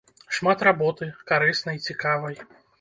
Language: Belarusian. Шмат работы, карыснай, цікавай.